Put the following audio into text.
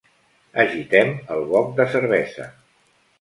Agitem el boc de cervesa.